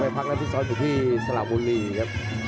ไปพักและพิกซ้อนอยู่ที่สลับวุลีครับ